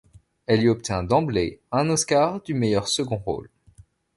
Elle y obtint d'emblée un Oscar du meilleur second rôle.